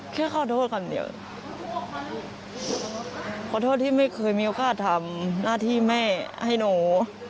แค่ขอโทษคำเดียวขอโทษที่ไม่เคยมีโอกาสทำหน้าที่แม่ให้หนู